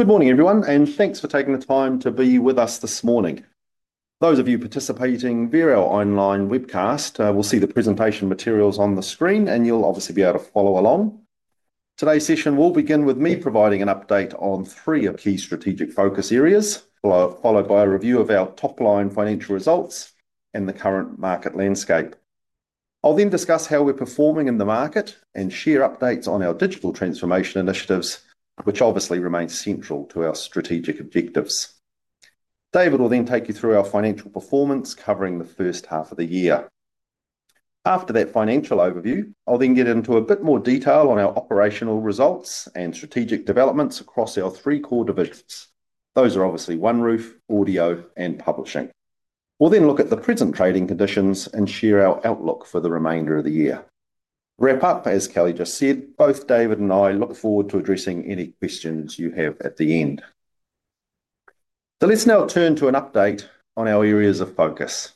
Good morning, everyone, and thanks for taking the time to be with us this morning. Those of you participating via our online webcast will see the presentation materials on the screen, and you'll obviously be able to follow along. Today's session will begin with me providing an update on three of the key strategic focus areas, followed by a review of our top-line financial results and the current market landscape. I'll then discuss how we're performing in the market and share updates on our digital transformation initiatives, which obviously remain central to our strategic objectives. David will then take you through our financial performance, covering the first half of the year. After that financial overview, I'll then get into a bit more detail on our operational results and strategic developments across our three core divisions. Those are obviously OneRoof, Audio, and Publishing. We'll then look at the present trading conditions and share our outlook for the remainder of the year. To wrap up, as Kelly just said, both David and I look forward to addressing any questions you have at the end. Let's now turn to an update on our areas of focus.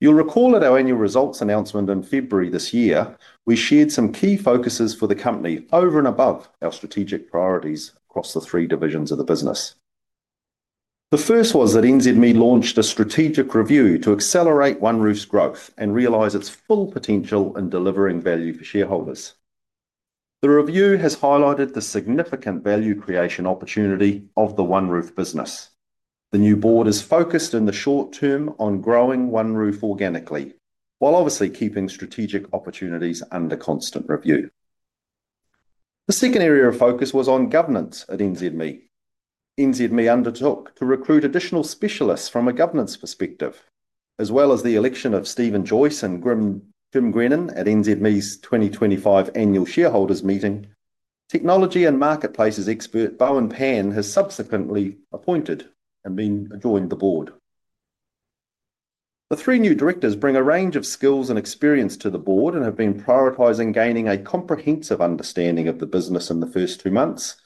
You'll recall at our annual results announcement in February this year, we shared some key focuses for the company over and above our strategic priorities across the three divisions of the business. The first was that NZME Limited launched a strategic review to accelerate OneRoof's growth and realize its full potential in delivering value for shareholders. The review has highlighted the significant value creation opportunity of the OneRoof business. The new board is focused in the short term on growing OneRoof organically, while obviously keeping strategic opportunities under constant review. The second area of focus was on governance at NZME. NZME undertook to recruit additional specialists from a governance perspective. As well as the election of Stephen Joyce and Jim Grenon at NZME 's 2025 annual shareholders' meeting, technology and marketplaces expert Bowen Pan has subsequently been appointed and joined the board. The three new directors bring a range of skills and experience to the board and have been prioritizing gaining a comprehensive understanding of the business in the first two months,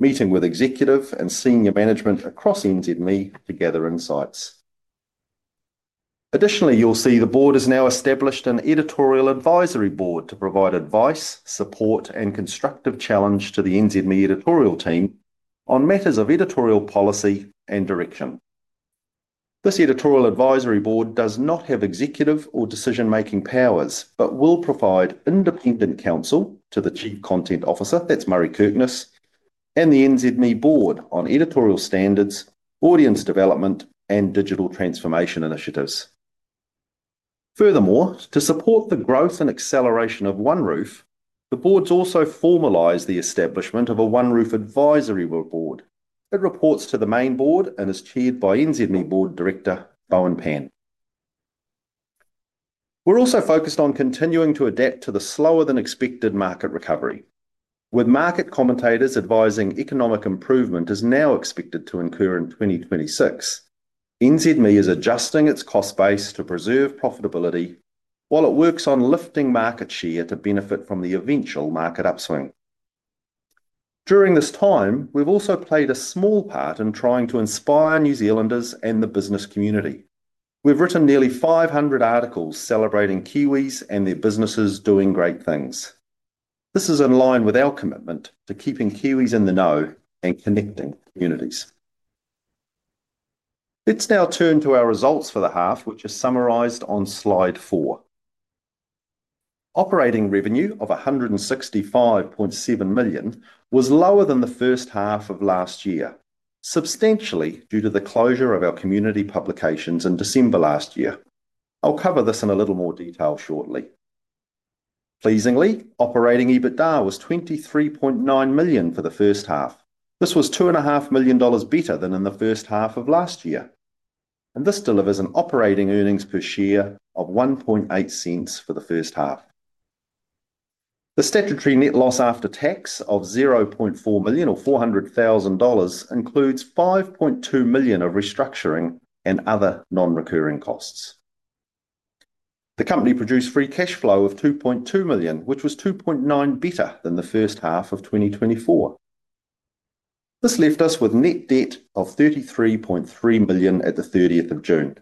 meeting with executive and senior management across NZME to gather insights. Additionally, you'll see the board has now established an editorial advisory board to provide advice, support, and constructive challenge to the NZME editorial team on matters of editorial policy and direction. This editorial advisory board does not have executive or decision-making powers, but will provide independent counsel to the Chief Content Officer, that's Murray Kirkness, and the NZME board on editorial standards, audience development, and digital transformation initiatives. Furthermore, to support the growth and acceleration of OneRoof, the board's also formalized the establishment of a OneRoof advisory board. It reports to the main board and is chaired by NZME Board Director Bowen Pan. We're also focused on continuing to adapt to the slower than expected market recovery. With market commentators advising economic improvement is now expected to incur in 2026, NZME is adjusting its cost base to preserve profitability, while it works on lifting market share to benefit from the eventual market upswing. During this time, we've also played a small part in trying to inspire New Zealanders and the business community. We've written nearly 500 articles celebrating Kiwis and their businesses doing great things. This is in line with our commitment to keeping Kiwis in the know and connecting communities. Let's now turn to our results for the half, which are summarized on slide four. Operating revenue of $165.7 million was lower than the first half of last year, substantially due to the closure of our community publications in December last year. I'll cover this in a little more detail shortly. Pleasingly, operating EBITDA was $23.9 million for the first half. This was $2.5 million better than in the first half of last year. This delivers an operating earnings per share of $0.018 for the first half. The statutory net loss after tax of $0.4 million, or $400,000, includes $5.2 million of restructuring and other non-recurring costs. The company produced free cash flow of $2.2 million, which was $2.9 million better than the first half of 2024. This left us with net debt of $33.3 million at the 30th of June.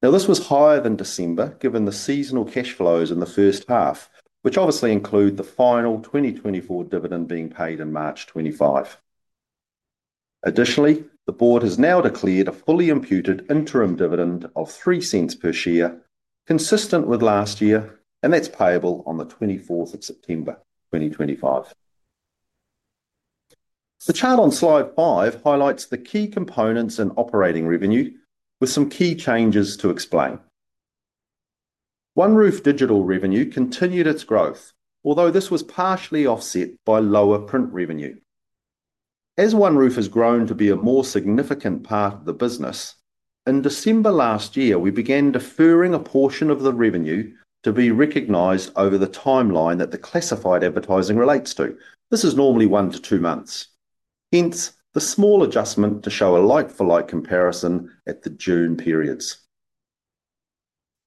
This was higher than December, given the seasonal cash flows in the first half, which obviously include the final 2024 dividend being paid in March 2025. Additionally, the board has now declared a fully imputed interim dividend of $0.03 per share, consistent with last year, and that's payable on the 24th of September 2025. The chart on slide five highlights the key components in operating revenue, with some key changes to explain. OneRoof digital revenue continued its growth, although this was partially offset by lower print revenue. As OneRoof has grown to be a more significant part of the business, in December last year, we began deferring a portion of the revenue to be recognized over the timeline that the classified advertising relates to. This is normally one to two months. Hence, the small adjustment to show a like-for-like comparison at the June periods.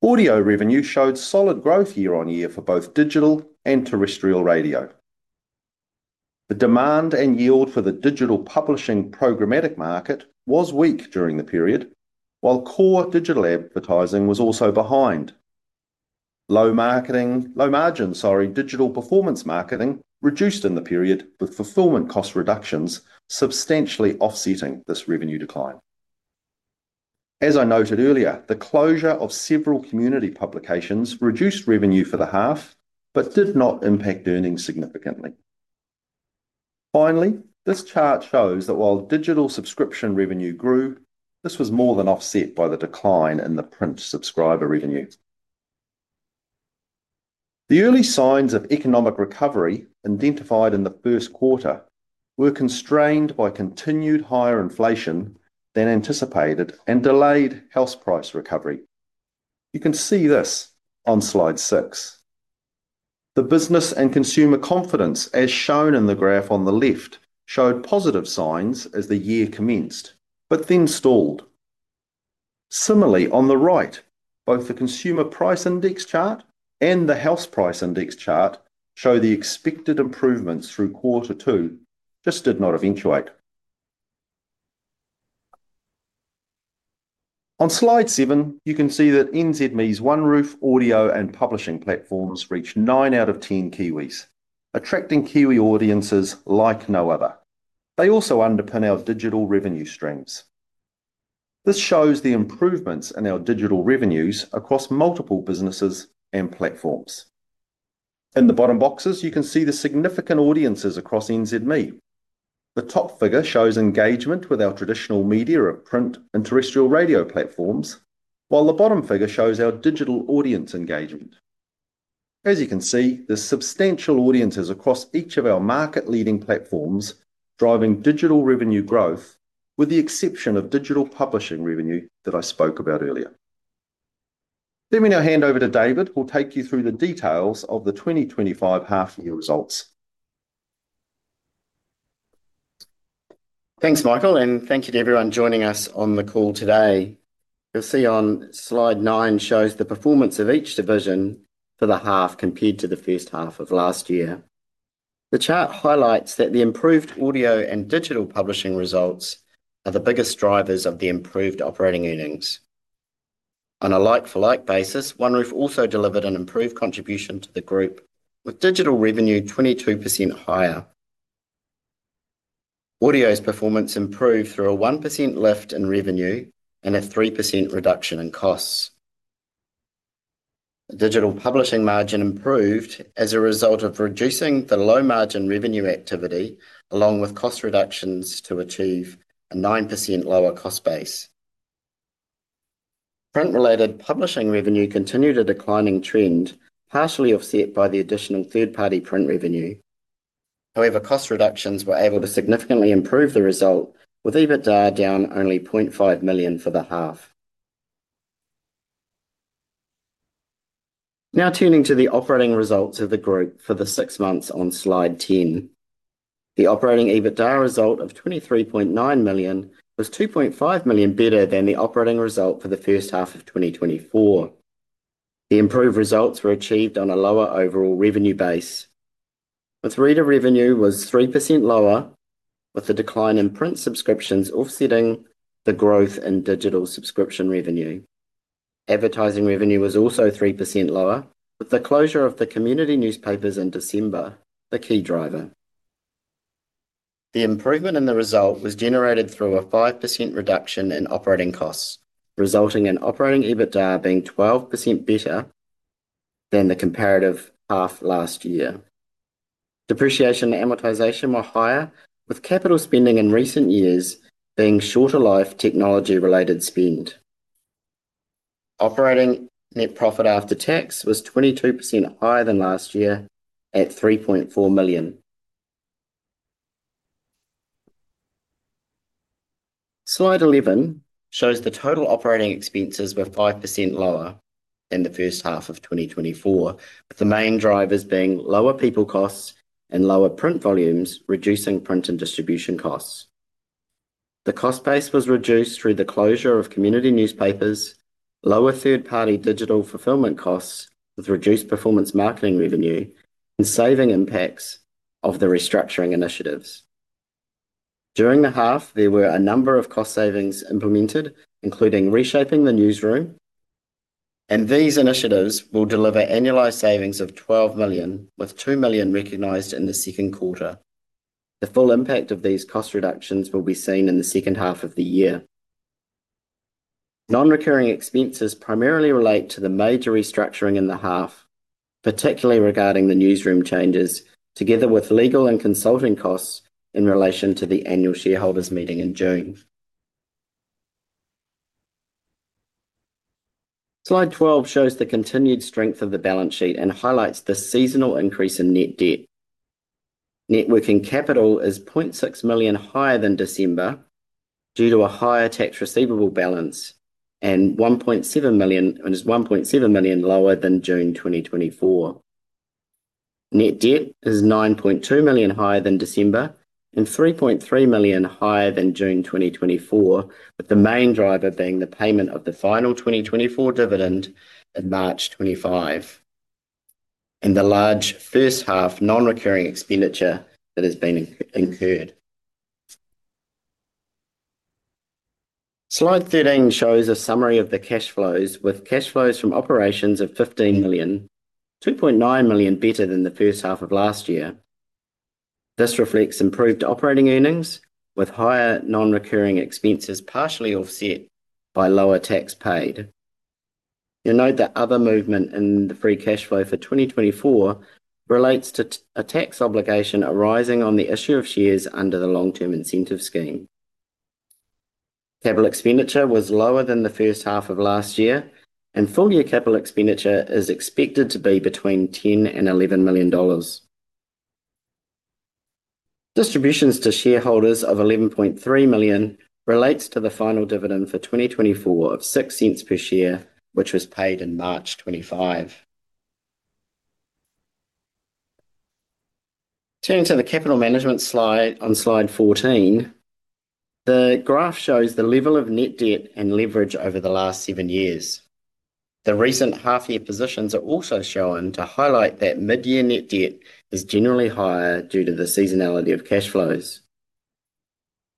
Audio revenue showed solid growth year on year for both digital and terrestrial radio. The demand and yield for the digital publishing programmatic market was weak during the period, while core digital advertising was also behind. Digital performance marketing reduced in the period, with fulfillment cost reductions substantially offsetting this revenue decline. As I noted earlier, the closure of several community publications reduced revenue for the half, but did not impact earnings significantly. Finally, this chart shows that while digital subscription revenue grew, this was more than offset by the decline in the print subscriber revenue. The early signs of economic recovery identified in the first quarter were constrained by continued higher inflation than anticipated and delayed house price recovery. You can see this on slide six. The business and consumer confidence, as shown in the graph on the left, showed positive signs as the year commenced, but then stalled. Similarly, on the right, both the consumer price index chart and the house price index chart show the expected improvements through quarter two, just did not eventuate. On slide seven, you can see that NZME's OneRoof, Audio, and Publishing platforms reach nine out of 10 Kiwis, attracting Kiwi audiences like no other. They also underpin our digital revenue streams. This shows the improvements in our digital revenues across multiple businesses and platforms. In the bottom boxes, you can see the significant audiences across NZME. The top figure shows engagement with our traditional media at print and terrestrial radio platforms, while the bottom figure shows our digital audience engagement. As you can see, there's substantial audiences across each of our market-leading platforms driving digital revenue growth, with the exception of digital publishing revenue that I spoke about earlier. Let me now hand over to David, who'll take you through the details of the 2025 half-year results. Thanks, Michael, and thank you to everyone joining us on the call today. You'll see on slide nine shows the performance of each division for the half compared to the first half of last year. The chart highlights that the improved audio and digital publishing results are the biggest drivers of the improved operating earnings. On a like-for-like basis, OneRoof also delivered an improved contribution to the group, with digital revenue 22% higher. Audio's performance improved through a 1% lift in revenue and a 3% reduction in costs. The digital publishing margin improved as a result of reducing the low margin revenue activity, along with cost reductions to achieve a 9% lower cost base. Print-related publishing revenue continued a declining trend, partially offset by the addition of third-party print revenue. However, cost reductions were able to significantly improve the result, with EBITDA down only $0.5 million for the half. Now, turning to the operating results of the group for the six months on slide ten. The operating EBITDA result of $23.9 million was $2.5 million better than the operating result for the first half of 2024. The improved results were achieved on a lower overall revenue base. The reader revenue was 3% lower, with the decline in print subscriptions offsetting the growth in digital subscription revenue. Advertising revenue was also 3% lower, with the closure of the community newspapers in December the key driver. The improvement in the result was generated through a 5% reduction in operating costs, resulting in operating EBITDA being 12% better than the comparative half last year. Depreciation and amortization were higher, with capital spending in recent years being shorter life technology-related spend. Operating net profit after tax was 22% higher than last year at $3.4 million. Slide 11 shows the total operating expenses were 5% lower than the first half of 2024, with the main drivers being lower people costs and lower print volumes, reducing print and distribution costs. The cost base was reduced through the closure of community newspapers, lower third-party digital fulfillment costs, with reduced performance marketing revenue, and saving impacts of the restructuring initiatives. During the half, there were a number of cost savings implemented, including reshaping the newsroom, and these initiatives will deliver annualized savings of $12 million, with $2 million recognized in the second quarter. The full impact of these cost reductions will be seen in the second half of the year. Non-recurring expenses primarily relate to the major restructuring in the half, particularly regarding the newsroom changes, together with legal and consulting costs in relation to the annual shareholders' meeting in June. Slide 12 shows the continued strength of the balance sheet and highlights the seasonal increase in net debt. Net working capital is $0.6 million higher than December due to a higher tax receivable balance, and $1.7 million is $1.7 million lower than June 2024. Net debt is $9.2 million higher than December and $3.3 million higher than June 2024, with the main driver being the payment of the final 2024 dividend in March 2025. The large first half non-recurring expenditure has been incurred. Slide 13 shows a summary of the cash flows, with cash flows from operations of $15 million, $2.9 million better than the first half of last year. This reflects improved operating earnings, with higher non-recurring expenses partially offset by lower tax paid. You'll note that other movement in the free cash flow for 2024 relates to a tax obligation arising on the issue of shares under the long-term incentive scheme. Capital expenditure was lower than the first half of last year, and full-year capital expenditure is expected to be between $10 million and $11 million. Distributions to shareholders of $11.3 million relate to the final dividend for 2024 of $0.06 per share, which was paid in March 2025. Turning to the capital management slide on slide 14, the graph shows the level of net debt and leverage over the last seven years. The recent half-year positions are also shown to highlight that mid-year net debt is generally higher due to the seasonality of cash flows.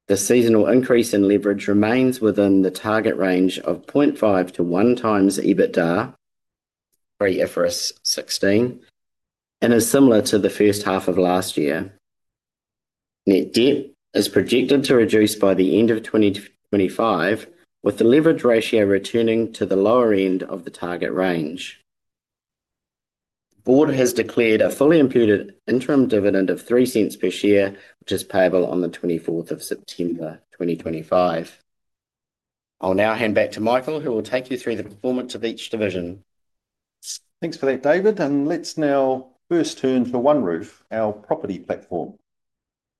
The seasonal increase in leverage remains within the target range of 0.5 to 1x EBITDA pre-IFRS 16, and is similar to the first half of last year. Net debt is projected to reduce by the end of 2025, with the leverage ratio returning to the lower end of the target range. The board has declared a fully imputed interim dividend of $0.03 per share, which is payable on the 24th of September 2025. I'll now hand back to Michael, who will take you through the performance of each division. Thanks for that, David, and let's now first turn to OneRoof, our property platform.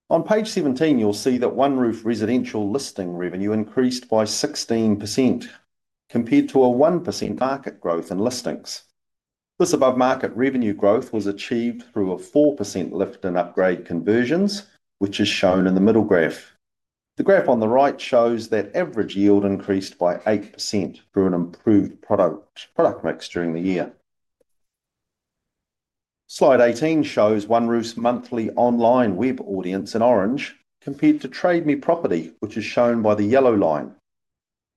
On page 17, you'll see that OneRoof residential listing revenue increased by 16% compared to a 1% market growth in listings. This above-market revenue growth was achieved through a 4% lift in upgrade conversions, which is shown in the middle graph. The graph on the right shows that average yield increased by 8% through an improved product mix during the year. Slide 18 shows OneRoof's monthly online web audience in orange compared to Trade Me Property, which is shown by the yellow line.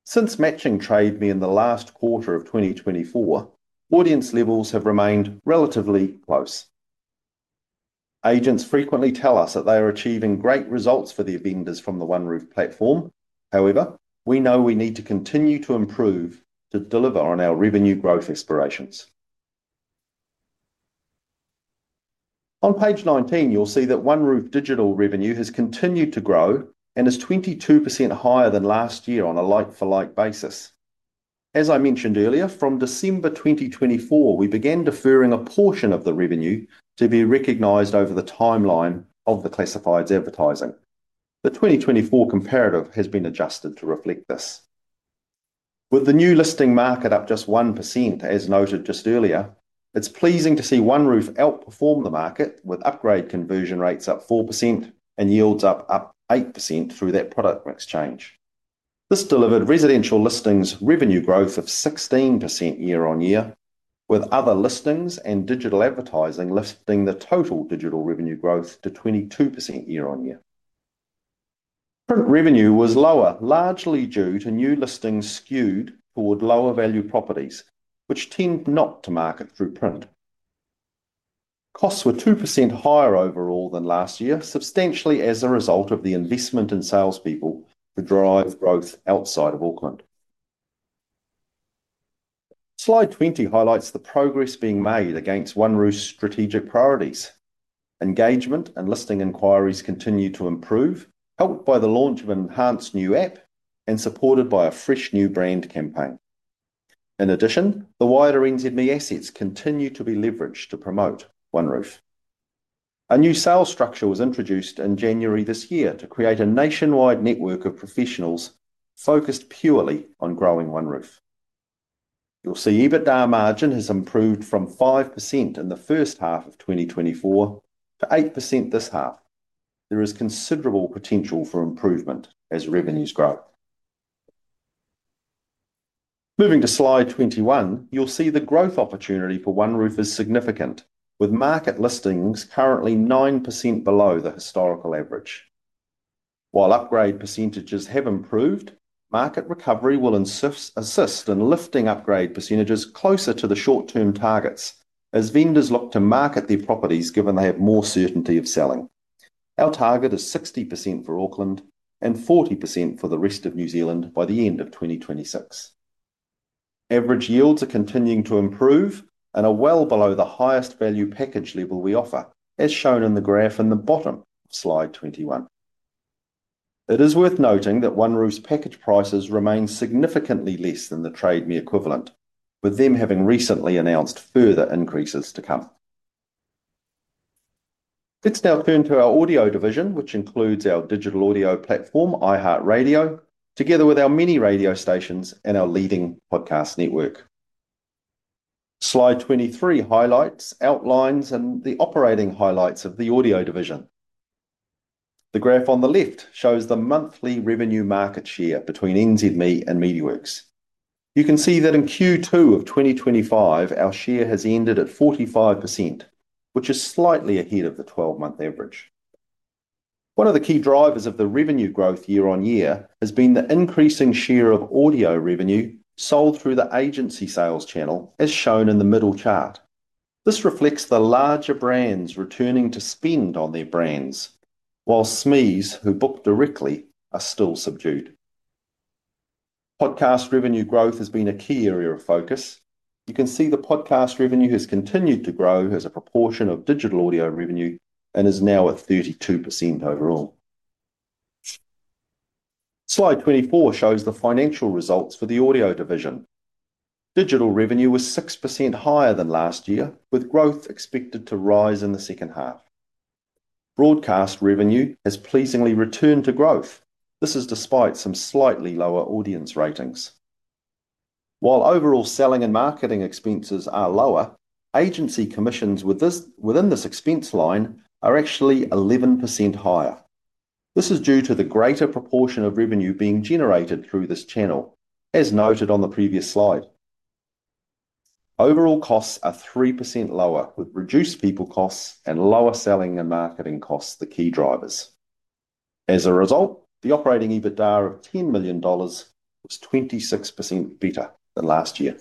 Since matching Trade Me in the last quarter of 2024, audience levels have remained relatively close. Agents frequently tell us that they are achieving great results for their vendors from the OneRoof platform. However, we know we need to continue to improve to deliver on our revenue growth aspirations. On page 19, you'll see that OneRoof digital revenue has continued to grow and is 22% higher than last year on a like-for-like basis. As I mentioned earlier, from December 2024, we began deferring a portion of the revenue to be recognized over the timeline of the classifieds advertising. The 2024 comparative has been adjusted to reflect this. With the new listing market up just 1%, as noted just earlier, it's pleasing to see OneRoof outperform the market with upgrade conversion rates up 4% and yields up 8% through that product mix change. This delivered residential listings revenue growth of 16% year-on-year, with other listings and digital advertising lifting the total digital revenue growth to 22% year-on-year. Print revenue was lower, largely due to new listings skewed toward lower value properties, which tend not to market through print. Costs were 2% higher overall than last year, substantially as a result of the investment in salespeople to drive growth outside of Auckland. Slide 20 highlights the progress being made against OneRoof's strategic priorities. Engagement and listing inquiries continue to improve, helped by the launch of an enhanced new app and supported by a fresh new brand campaign. In addition, the wider NZME assets continue to be leveraged to promote OneRoof. A new sales structure was introduced in January this year to create a nationwide network of professionals focused purely on growing OneRoof. You'll see EBITDA margin has improved from 5% in the first half of 2024 to 8% this half. There is considerable potential for improvement as revenues grow. Moving to slide 21, you'll see the growth opportunity for OneRoof is significant, with market listings currently 9% below the historical average. While upgrade percentages have improved, market recovery will assist in lifting upgrade percentages closer to the short-term targets as vendors look to market their properties given they have more certainty of selling. Our target is 60% for Auckland and 40% for the rest of New Zealand by the end of 2026. Average yields are continuing to improve and are well below the highest value package level we offer, as shown in the graph in the bottom of slide 21. It is worth noting that OneRoof's package prices remain significantly less than the Trade Me equivalent, with them having recently announced further increases to come. Let's now turn to our audio division, which includes our digital audio platform, iHeartRadio, together with our mini radio stations and our leading podcast network. Slide 23 highlights and outlines the operating highlights of the audio division. The graph on the left shows the monthly revenue market share between NZME and MediaWorks. You can see that in Q2 of 2025, our share has ended at 45%, which is slightly ahead of the 12-month average. One of the key drivers of the revenue growth year on year has been the increasing share of audio revenue sold through the agency sales channel, as shown in the middle chart. This reflects the larger brands returning to spend on their brands, while SMEs who book directly are still subdued. Podcast revenue growth has been a key area of focus. You can see the podcast revenue has continued to grow as a proportion of digital audio revenue and is now at 32% overall. Slide 24 shows the financial results for the audio division. Digital revenue was 6% higher than last year, with growth expected to rise in the second half. Broadcast revenue has pleasingly returned to growth. This is despite some slightly lower audience ratings. While overall selling and marketing expenses are lower, agency commissions within this expense line are actually 11% higher. This is due to the greater proportion of revenue being generated through this channel, as noted on the previous slide. Overall costs are 3% lower, with reduced people costs and lower selling and marketing costs the key drivers. As a result, the operating EBITDA of $10 million is 26% better than last year.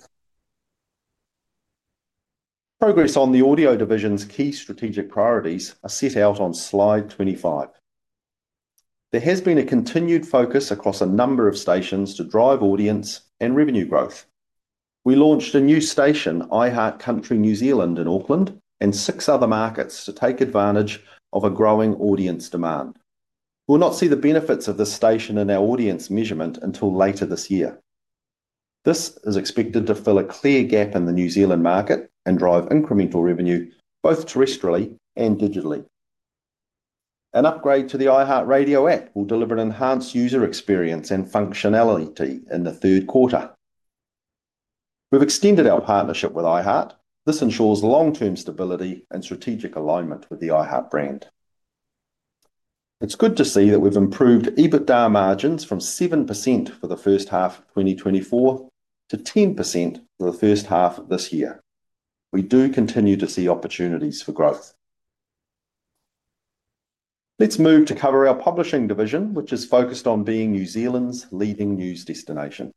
Progress on the audio division's key strategic priorities are set out on slide 25. There has been a continued focus across a number of stations to drive audience and revenue growth. We launched a new station, iHeart Country New Zealand in Auckland and six other markets to take advantage of a growing audience demand. We'll not see the benefits of this station in our audience measurement until later this year. This is expected to fill a clear gap in the New Zealand market and drive incremental revenue both terrestrially and digitally. An upgrade to the iHeartRadio app will deliver an enhanced user experience and functionality in the third quarter. We've extended our partnership with iHeart. This ensures long-term stability and strategic alignment with the iHeart brand. It's good to see that we've improved EBITDA margins from 7% for the first half of 2024 to 10% for the first half of this year. We do continue to see opportunities for growth. Let's move to cover our publishing division, which is focused on being New Zealand's leading news destination.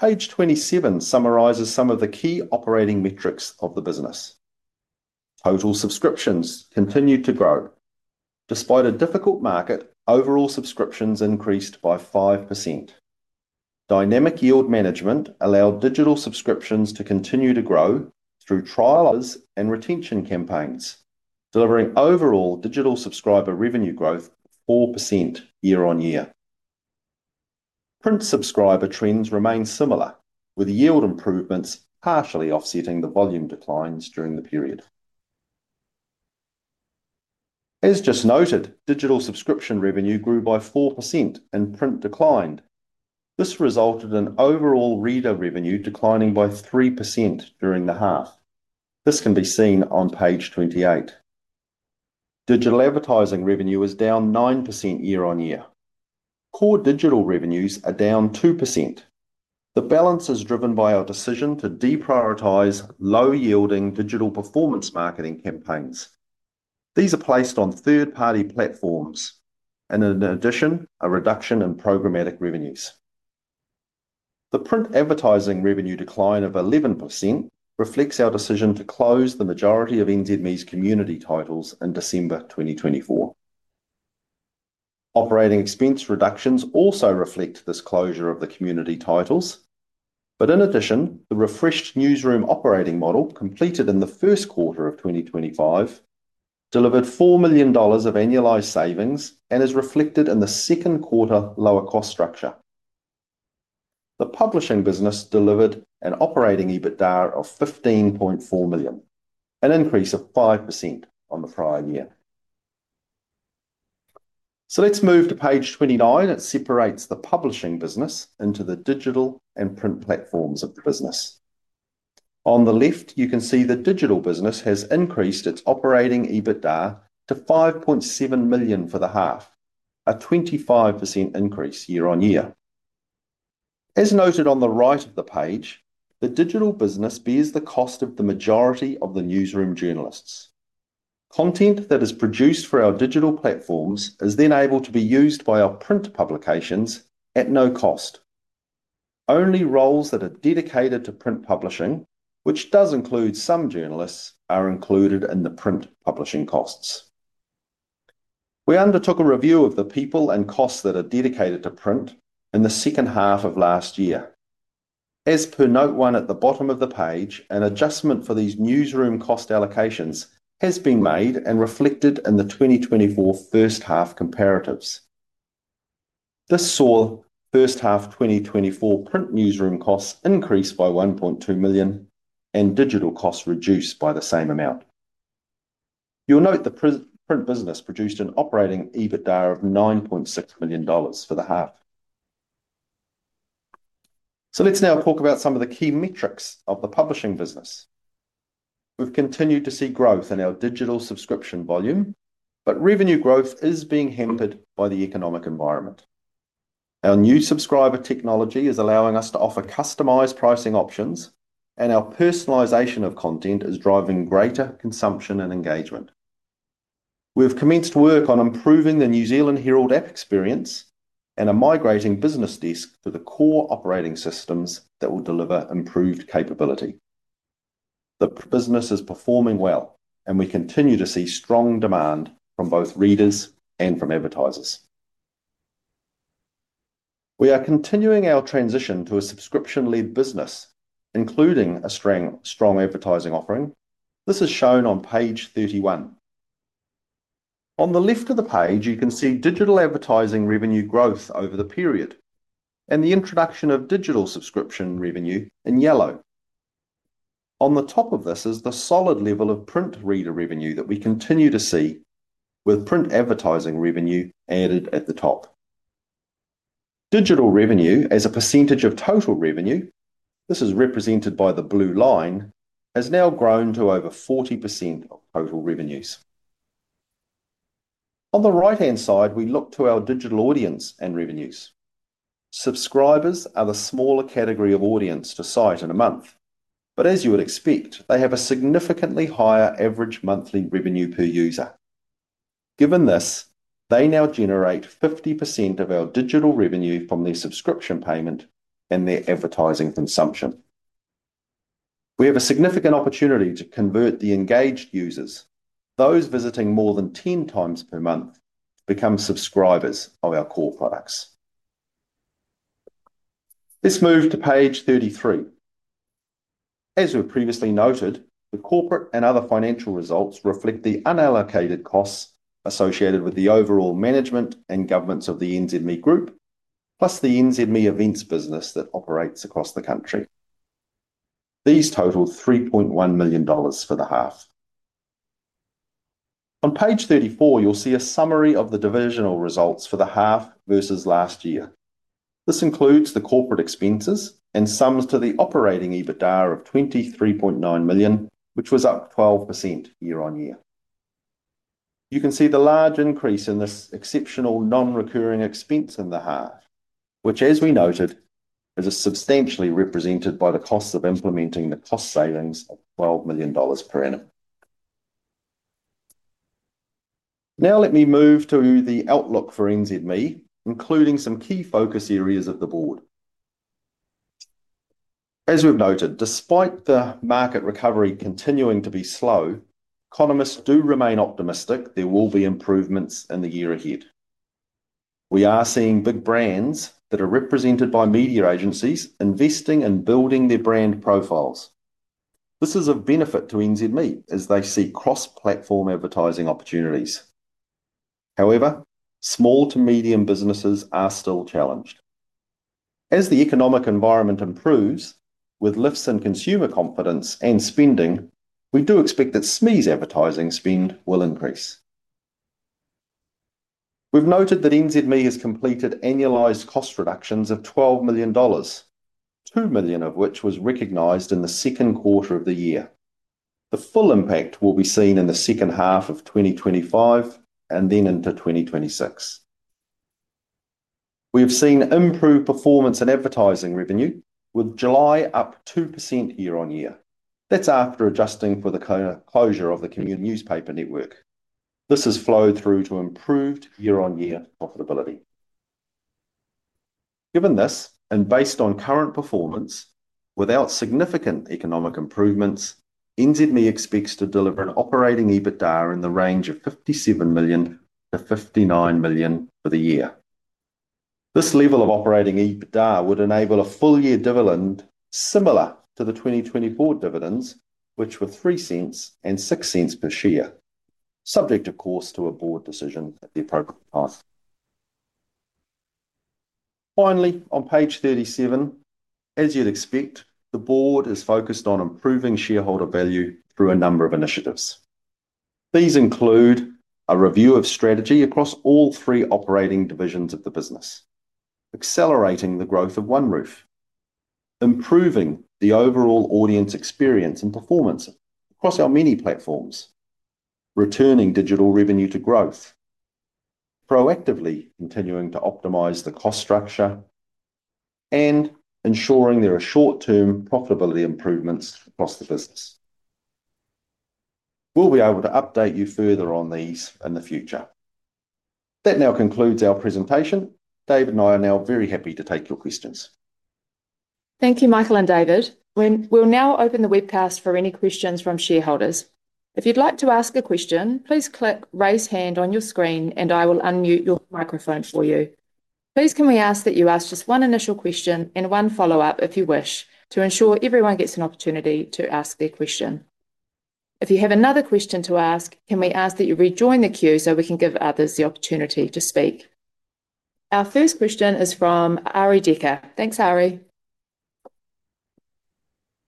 Page 27 summarizes some of the key operating metrics of the business. Total subscriptions continue to grow. Despite a difficult market, overall subscriptions increased by 5%. Dynamic yield management allowed digital subscriptions to continue to grow through trials and retention campaigns, delivering overall digital subscriber revenue growth 4% year-on-year. Print subscriber trends remain similar, with yield improvements partially offsetting the volume declines during the period. As just noted, digital subscription revenue grew by 4% and print declined. This resulted in overall reader revenue declining by 3% during the half. This can be seen on page 28. Digital advertising revenue is down 9% year on year. Core digital revenues are down 2%. The balance is driven by our decision to deprioritize low-yielding digital performance marketing campaigns. These are placed on third-party platforms, and in addition, a reduction in programmatic revenues. The print advertising revenue decline of 11% reflects our decision to close the majority of NZME's community titles in December 2024. Operating expense reductions also reflect this closure of the community titles, but in addition, the refreshed newsroom operating model completed in the first quarter of 2025 delivered $4 million of annualized savings and is reflected in the second quarter lower cost structure. The publishing business delivered an operating EBITDA of $15.4 million, an increase of 5% on the prior year. Let's move to page 29 that separates the publishing business into the digital and print platforms of the business. On the left, you can see the digital business has increased its operating EBITDA to $5.7 million for the half, a 25% increase year-on-year. As noted on the right of the page, the digital business bears the cost of the majority of the newsroom journalists. Content that is produced for our digital platforms is then able to be used by our print publications at no cost. Only roles that are dedicated to print publishing, which does include some journalists, are included in the print publishing costs. We undertook a review of the people and costs that are dedicated to print in the second half of last year. As per note one at the bottom of the page, an adjustment for these newsroom cost allocations has been made and reflected in the 2024 first half comparatives. This saw first half 2024 print newsroom costs increase by $1.2 million and digital costs reduce by the same amount. You'll note the print business produced an operating EBITDA of $9.6 million for the half. Let's now talk about some of the key metrics of the publishing business. We've continued to see growth in our digital subscription volume, but revenue growth is being hampered by the economic environment. Our new subscriber technology is allowing us to offer customized pricing options, and our personalization of content is driving greater consumption and engagement. We've commenced work on improving the NZ Herald app experience and are migrating BusinessDesk to the core operating systems that will deliver improved capability. The business is performing well, and we continue to see strong demand from both readers and from advertisers. We are continuing our transition to a subscription-led business, including a strong advertising offering. This is shown on page 31. On the left of the page, you can see digital advertising revenue growth over the period and the introduction of digital subscription revenue in yellow. On the top of this is the solid level of print reader revenue that we continue to see, with print advertising revenue added at the top. Digital revenue, as a percentage of total revenue, this is represented by the blue line, has now grown to over 40% of total revenues. On the right-hand side, we look to our digital audience and revenues. Subscribers are the smaller category of audience for site in a month, but as you would expect, they have a significantly higher average monthly revenue per user. Given this, they now generate 50% of our digital revenue from their subscription payment and their advertising consumption. We have a significant opportunity to convert the engaged users. Those visiting more than 10x per month become subscribers of our core products. Let's move to page 33. As we previously noted, the corporate and other financial results reflect the unallocated costs associated with the overall management and governance of the NZME Group, plus the NZME events business that operates across the country. These total $3.1 million for the half. On page 34, you'll see a summary of the divisional results for the half versus last year. This includes the corporate expenses and sums to the operating EBITDA of $23.9 million, which was up 12% year on year. You can see the large increase in this exceptional non-recurring expense in the half, which, as we noted, is substantially represented by the cost of implementing the cost savings of $12 million per annum. Now, let me move to the outlook for NZME, including some key focus areas of the board. As we've noted, despite the market recovery continuing to be slow, economists do remain optimistic there will be improvements in the year ahead. We are seeing big brands that are represented by media agencies investing and building their brand profiles. This is of benefit to NZME as they see cross-platform advertising opportunities. However, small to medium businesses are still challenged. As the economic environment improves, with lifts in consumer confidence and spending, we do expect that SMEs' advertising spend will increase. We've noted that NZME has completed annualized cost reductions of $12 million, $2 million of which was recognized in the second quarter of the year. The full impact will be seen in the second half of 2025 and then into 2026. We've seen improved performance in advertising revenue, with July up 2% year-on-year. That's after adjusting for the closure of the community newspaper network. This has flowed through to improved year-on-year profitability. Given this, and based on current performance, without significant economic improvements, NZME expects to deliver an operating EBITDA in the range of $57 million-$59 million for the year. This level of operating EBITDA would enable a full-year dividend similar to the 2024 dividends, which were $0.03 and $0.06 per share, subject, of course, to a board decision at the appropriate time. Finally, on page 37, as you'd expect, the board is focused on improving shareholder value through a number of initiatives. These include a review of strategy across all three operating divisions of the business, accelerating the growth of OneRoof, improving the overall audience experience and performance across our many platforms, returning digital revenue to growth, proactively continuing to optimize the cost structure, and ensuring there are short-term profitability improvements across the business. We'll be able to update you further on these in the future. That now concludes our presentation. David and I are now very happy to take your questions. Thank you, Michael and David. We'll now open the webcast for any questions from shareholders. If you'd like to ask a question, please click raise hand on your screen and I will unmute your microphone for you. Please, can we ask that you ask just one initial question and one follow-up if you wish, to ensure everyone gets an opportunity to ask their question. If you have another question to ask, can we ask that you rejoin the queue so we can give others the opportunity to speak? Our first question is from Ari Decker. Thanks, Ari.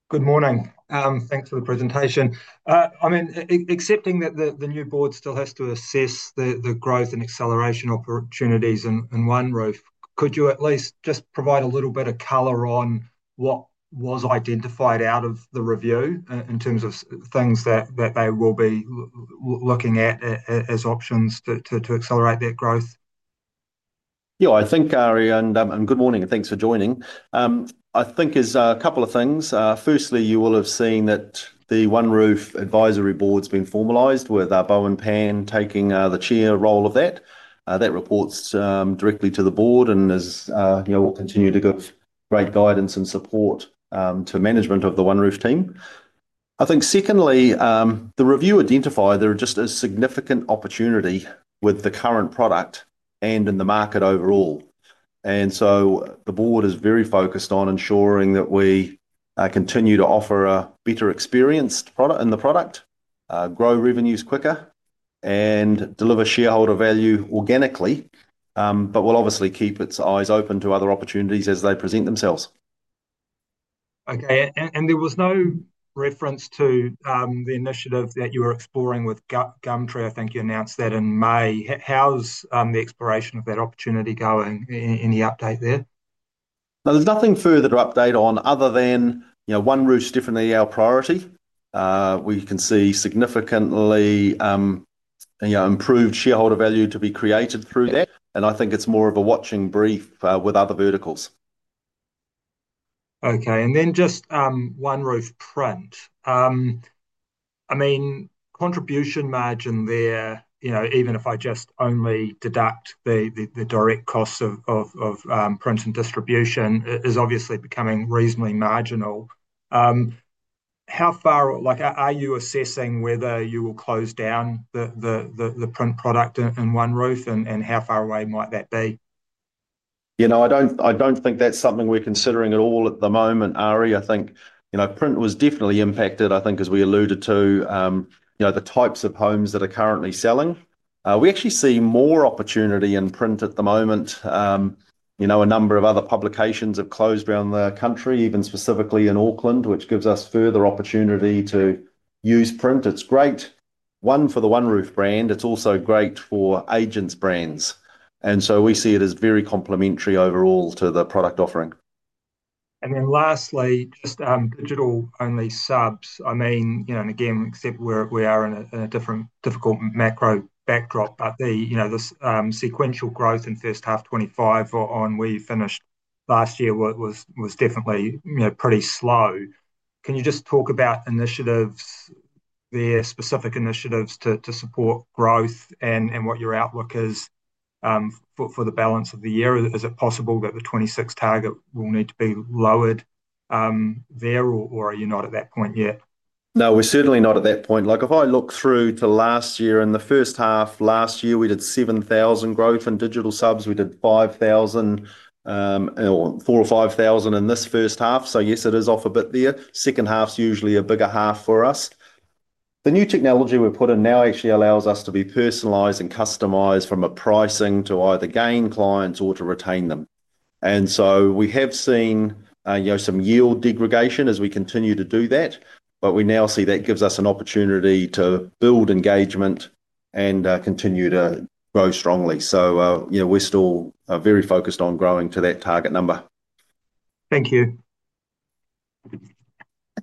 Good morning. Thanks for the presentation. Accepting that the new board still has to assess the growth and acceleration opportunities in OneRoof, could you at least just provide a little bit of color on what was identified out of the review in terms of things that they will be looking at as options to accelerate that growth? Yeah, I think, Ari, and good morning and thanks for joining. I think there's a couple of things. Firstly, you will have seen that the OneRoof advisory board's been formalized with Bowen Pan taking the chair role of that. That reports directly to the board and is, you know, will continue to give great guidance and support to management of the OneRoof team. I think secondly, the review identified there are just a significant opportunity with the current product and in the market overall. The board is very focused on ensuring that we continue to offer a better experience in the product, grow revenues quicker, and deliver shareholder value organically, but will obviously keep its eyes open to other opportunities as they present themselves. Okay, there was no reference to the initiative that you were exploring with Gumtree. I think you announced that in May. How's the exploration of that opportunity going? Any update there? There's nothing further to update on other than, you know, OneRoof's definitely our priority. We can see significantly improved shareholder value to be created through that. I think it's more of a watching brief with other verticals. Okay, and then just OneRoof print. I mean, contribution margin there, you know, even if I just only deduct the direct costs of print and distribution, is obviously becoming reasonably marginal. How far, like, are you assessing whether you will close down the print product in OneRoof and how far away might that be? I don't think that's something we're considering at all at the moment, Ari. I think print was definitely impacted, as we alluded to, the types of homes that are currently selling. We actually see more opportunity in print at the moment. A number of other publications have closed around the country, even specifically in Auckland, which gives us further opportunity to use print. It's great, one, for the OneRoof brand. It's also great for agents' brands. We see it as very complementary overall to the product offering. Lastly, just digital-only subs. We accept we are in a difficult macro backdrop, but this sequential growth in first half 2025 on we finished last year was definitely pretty slow. Can you just talk about initiatives there, specific initiatives to support growth and what your outlook is for the balance of the year? Is it possible that the 2026 target will need to be lowered there or are you not at that point yet? No, we're certainly not at that point. If I look through to last year and the first half last year, we did 7,000 growth in digital subs. We did 5,000 or 4,000 or 5,000 in this first half. Yes, it is off a bit there. The second half is usually a bigger half for us. The new technology we've put in now actually allows us to be personalized and customized from a pricing to either gain clients or to retain them. We have seen some yield degradation as we continue to do that, but we now see that gives us an opportunity to build engagement and continue to grow strongly. We're still very focused on growing to that target number. Thank you.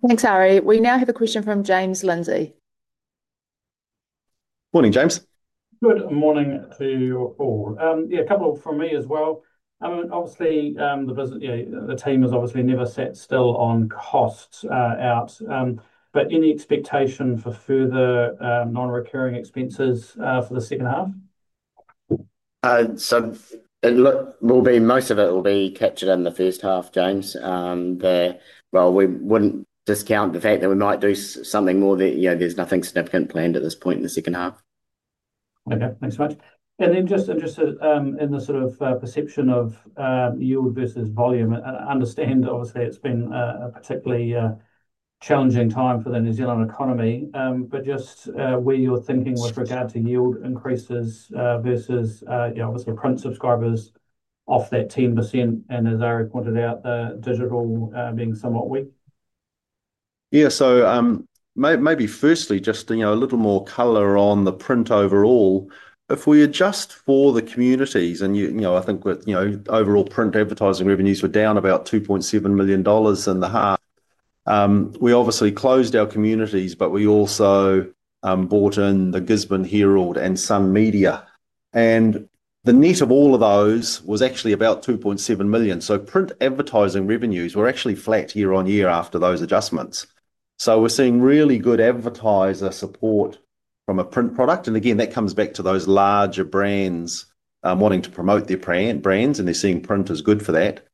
Thanks, Ari. We now have a question from James Lindsay. Morning, James. Good morning to you all. A couple of things from me as well. Obviously, the team has obviously never sat still on costs out, but any expectation for further non-recurring expenses for the second half? Most of it will be captured in the first half, James. We wouldn't discount the fact that we might do something more; there's nothing significant planned at this point in the second half. Okay, thanks, Matt. In the sort of perception of yield versus volume, I understand obviously it's been a particularly challenging time for the New Zealand economy, but just where you're thinking with regard to yield increases versus, you know, obviously print subscribers off that 10%, and, as Ari pointed out, digital being somewhat weak? Yeah, so maybe firstly just a little more color on the print overall. If we adjust for the communities, overall print advertising revenues were down about $2.7 million in the half. We obviously closed our communities, but we also bought in the Gisborne Herald and some media. The net of all of those was actually about $2.7 million. Print advertising revenues were actually flat year on year after those adjustments. We're seeing really good advertiser support from a print product. That comes back to those larger brands wanting to promote their brands, and they're seeing print is good for that.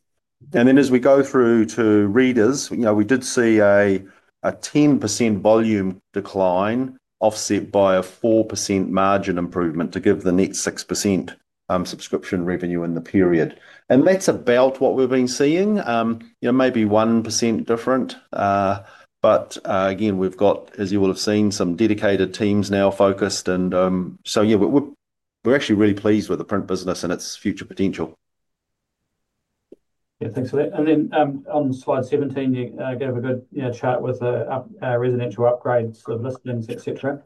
As we go through to readers, we did see a 10% volume decline offset by a 4% margin improvement to give the net 6% subscription revenue in the period. That's about what we've been seeing, maybe 1% different, but again, we've got, as you will have seen, some dedicated teams now focused. We're actually really pleased with the print business and its future potential. Yeah, thanks for that. On slide 17, you gave a good chart with the residential upgrades of listings, et cetera.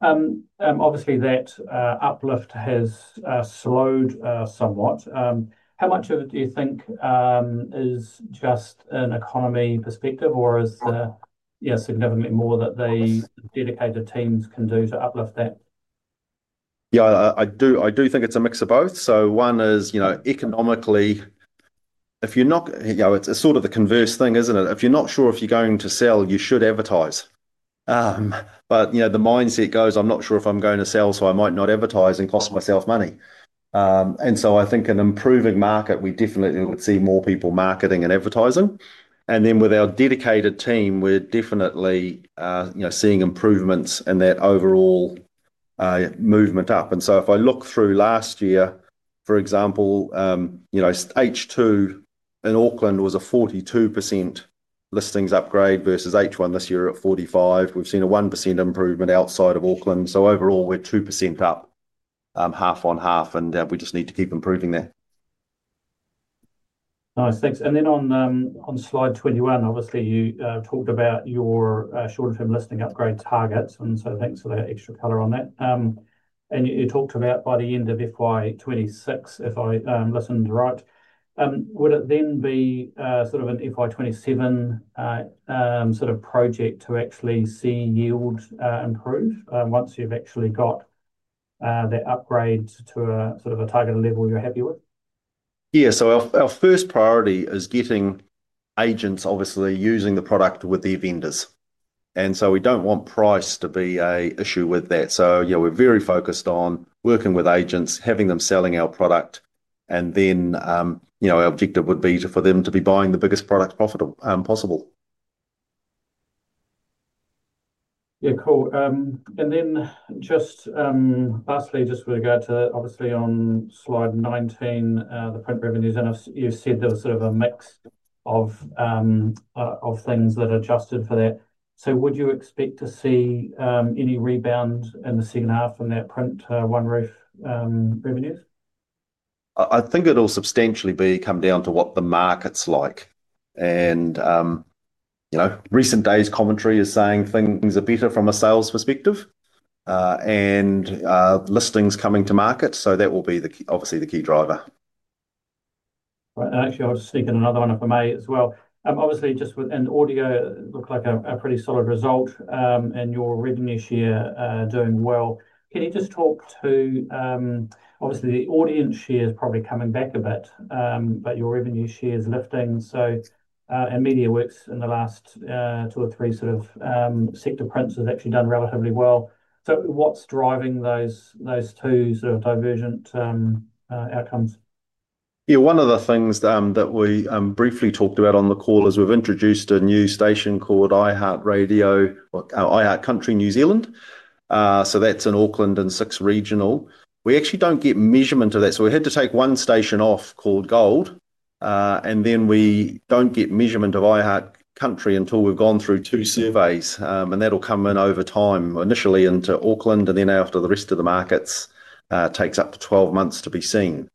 Obviously, that uplift has slowed somewhat. How much of it do you think is just an economy perspective, or is there significantly more that the dedicated teams can do to uplift that? Yeah, I do think it's a mix of both. One is, you know, economically, if you're not, you know, it's sort of a converse thing, isn't it? If you're not sure if you're going to sell, you should advertise. You know, the mindset goes, I'm not sure if I'm going to sell, so I might not advertise and cost myself money. I think an improving market, we definitely would see more people marketing and advertising. With our dedicated team, we're definitely, you know, seeing improvements in that overall movement up. If I look through last year, for example, H2 in Auckland was a 42% listings upgrade versus H1 this year at 45%. We've seen a 1% improvement outside of Auckland. Overall, we're 2% up half on half, and we just need to keep improving that. Nice, thanks. On slide 21, obviously, you talked about your short-term listing upgrade targets, and thanks for that extra color on that. You talked about by the end of FY 2026, if I listened right, would it then be sort of an FY 2027 sort of project to actually see yield improve once you've actually got that upgrade to a sort of a targeted level you're happy with? Our first priority is getting agents obviously using the product with their vendors. We don't want price to be an issue with that. We're very focused on working with agents, having them selling our product, and our objective would be for them to be buying the biggest product possible. Yeah, cool. Just lastly, with regard to that, obviously on slide 19, the print revenues, you said there was sort of a mix of things that adjusted for that. Would you expect to see any rebound in the second half from that print OneRoof revenues? I think it'll substantially come down to what the market's like. You know, recent days commentary is saying things are better from a sales perspective and listings coming to market. That will be obviously the key driver. Actually, I'll just speak in another one if I may as well. Obviously, just within audio, it looked like a pretty solid result and your revenue share doing well. Can you just talk to, obviously, the audience share is probably coming back a bit, but your revenue share is lifting. MediaWorks in the last two or three sort of sector prints have actually done relatively well. What's driving those two sort of divergent outcomes? Yeah, one of the things that we briefly talked about on the call is we've introduced a new station called iHeart Country New Zealand. That's in Auckland and six regional. We actually don't get measurement of that. We had to take one station off called Gold, and then we don't get measurement of iHeart Country until we've gone through two surveys. That'll come in over time, initially into Auckland, and then out to the rest of the markets. It takes up to 12 months to be seen.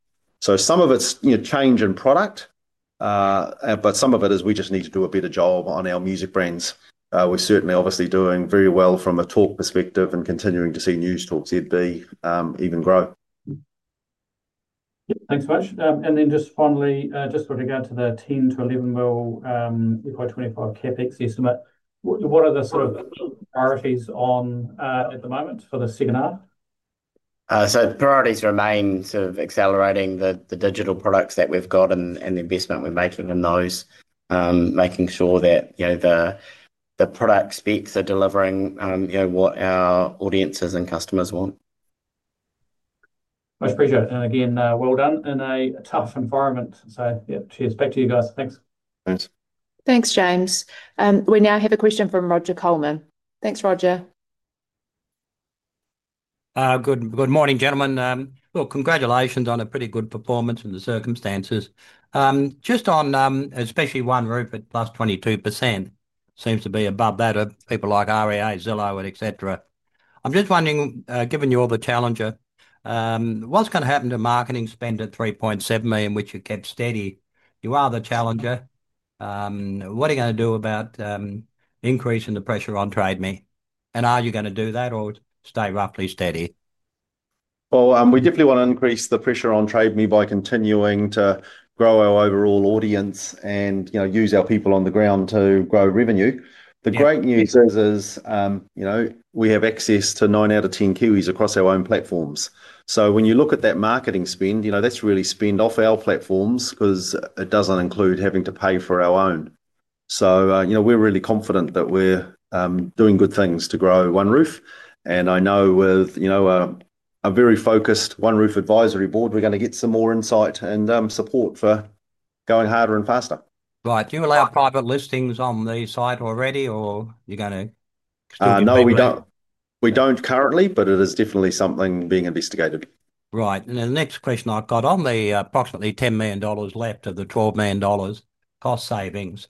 Some of it's change in product, but some of it is we just need to do a better job on our music brands. We're certainly obviously doing very well from a talk perspective and continuing to see Netalk ZB even grow. Thanks so much. Finally, just with regard to the $10 million-$11 million FY 2025 CapEx estimate, what are the sort of priorities on at the moment for the second half? The priorities remain sort of accelerating the digital products that we've got and the investment we're making in those, making sure that the product specs are delivering what our audiences and customers want. Much appreciated. Again, well done in a tough environment. Cheers back to you guys. Thanks. Thanks. Thanks, James. We now have a question from Roger Coleman. Thanks, Roger. Good morning, gentlemen. Congratulations on a pretty good performance in the circumstances. Just on especially OneRoof at plus 22%, seems to be above that of people like REA, Zillow, etc. I'm just wondering, given you're the challenger, what's going to happen to marketing spend at $3.7 million, which you kept steady? You are the challenger. What are you going to do about increasing the pressure on Trade Me? Are you going to do that or stay roughly steady? We definitely want to increase the pressure on Trade Me by continuing to grow our overall audience and, you know, use our people on the ground to grow revenue. The great news is, you know, we have access to nine out of ten Kiwis across our own platforms. When you look at that marketing spend, you know, that's really spend off our platforms because it doesn't include having to pay for our own. You know, we're really confident that we're doing good things to grow OneRoof. I know with, you know, a very focused OneRoof advisory board, we're going to get some more insight and support for going harder and faster. Right. Do you allow private listings on the site already, or are you going to? No, we don't. We don't currently, but it is definitely something being investigated. Right. The next question I've got on the approximately $10 million left of the $12 million cost savings.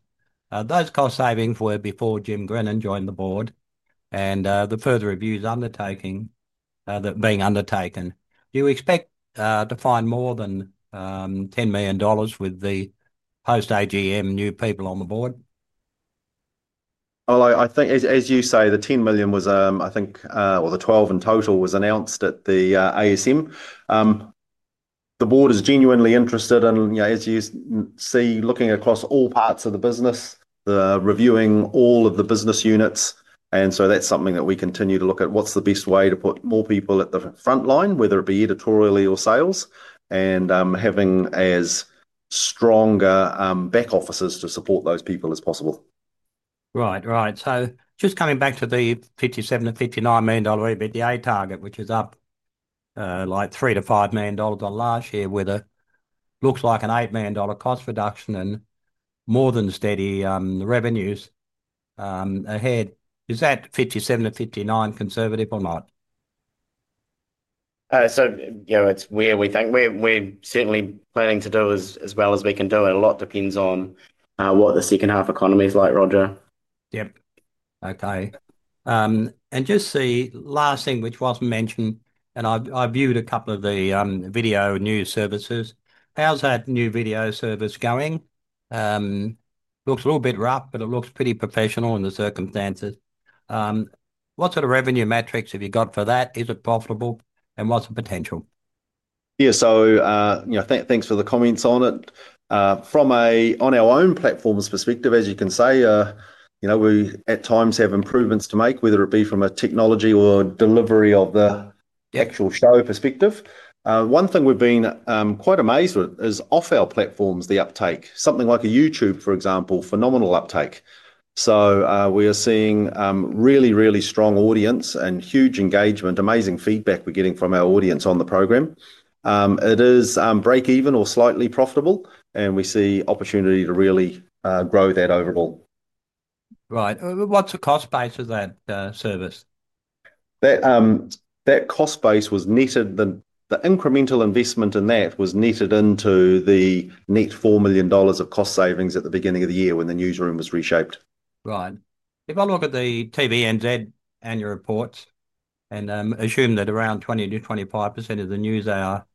Those cost savings were before Jim Grenon joined the board and the further reviews that are being undertaken. You expect to find more than $10 million with the post-AGM new people on the board? I think, as you say, the $10 million was, I think, or the $12 million in total was announced at the ASM. The board is genuinely interested in, you know, as you see, looking across all parts of the business, reviewing all of the business units. That's something that we continue to look at. What's the best way to put more people at the front line, whether it be editorially or sales, and having as strong back offices to support those people as possible. Right, right. Just coming back to the $57 million-$59 million EBITDA target, which is up like $3 million-$5 million on last year, with what looks like an $8 million cost reduction and more than steady revenues ahead. Is that $57 million-$59 million conservative or not? It's where we think we're certainly planning to do as well as we can do. A lot depends on what the second half economy is like, Roger. Okay. Just the last thing which was mentioned, I viewed a couple of the video news services. How's that new video service going? Looks a little bit rough, but it looks pretty professional in the circumstances. What sort of revenue metrics have you got for that? Is it profitable? What's the potential? Yeah, thanks for the comments on it. From our own platforms perspective, as you can see, we at times have improvements to make, whether it be from a technology or delivery of the actual show perspective. One thing we've been quite amazed with is off our platforms, the uptake. Something like a YouTube, for example, phenomenal uptake. We are seeing a really, really strong audience and huge engagement, amazing feedback we're getting from our audience on the program. It is break-even or slightly profitable, and we see opportunity to really grow that overall. Right. What's the cost base of that service? That cost base was netted, the incremental investment in that was netted into the net $4 million of cost savings at the beginning of the year when the newsroom was reshaped. Right. If I look at the TVNZ annual report and assume that around 20%-25% of the news hour,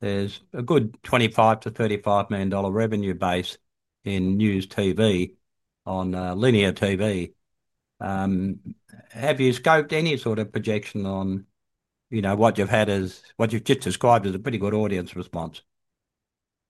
there's a good $25 million-$35 million revenue base in news TV on linear TV. Have you scoped any sort of projection on, you know, what you've had as, what you've just described as a pretty good audience response?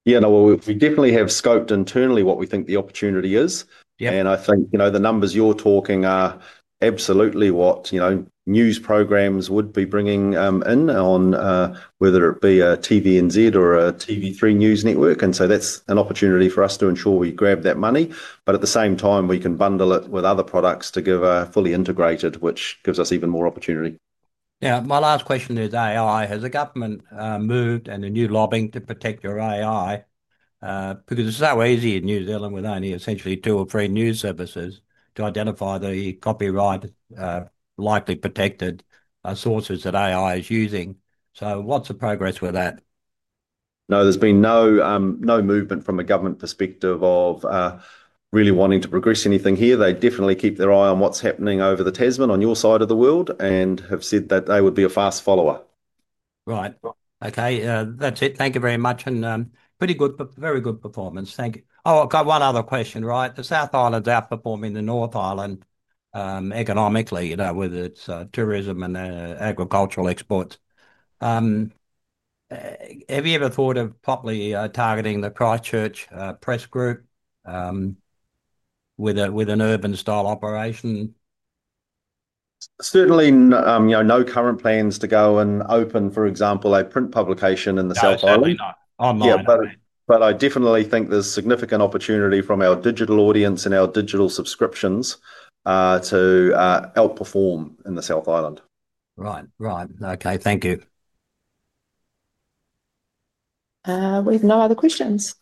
Yeah, no, we definitely have scoped internally what we think the opportunity is. I think the numbers you're talking are absolutely what, you know, news programs would be bringing in on whether it be a TVNZ or a TV3 news network. That's an opportunity for us to ensure we grab that money. At the same time, we can bundle it with other products to give a fully integrated, which gives us even more opportunity. Yeah, my last question today, AI, has the government moved in any new lobbying to protect your AI? Because it's so easy in New Zealand with only essentially two or three news services to identify the copyright, likely protected sources that AI is using. What's the progress with that? No, there's been no movement from a government perspective of really wanting to progress anything here. They definitely keep their eye on what's happening over the Tasman on your side of the world and have said that they would be a fast follower. Right. Okay, that's it. Thank you very much. Pretty good, very good performance. Thank you. I've got one other question. The South Island's outperforming the North Island economically, you know, whether it's tourism and agricultural exports. Have you ever thought of properly targeting the Christchurch Press group with an urban style operation? Certainly, no current plans to go and open, for example, a print publication in the South Island. I definitely think there's significant opportunity from our digital audience and our digital subscriptions to outperform in the South Island. Right, right. Okay, thank you. We have no other questions.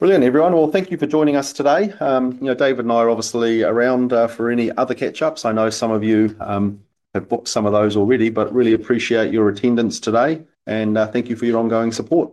Brilliant, everyone. Thank you for joining us today. You know, David and I are obviously around for any other catch-ups. I know some of you have booked some of those already, but really appreciate your attendance today and thank you for your ongoing support.